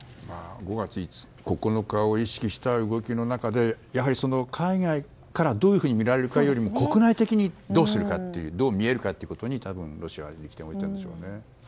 ５月９日を意識した動きの中でやはり海外からどういうふうに見られるかよりも国内的にどうするかどう見えるかということに多分ロシアはいくと思っていますね。